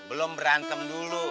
belum berantem dulu